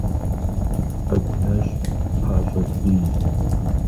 Ӏэгу нэщӀ пащӀэ пӀий.